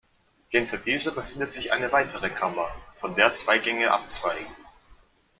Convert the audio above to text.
Hinter dieser befindet sich eine weitere Kammer, von der zwei Gänge abzweigen.